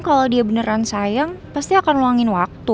kalau dia beneran sayang pasti akan luangin waktu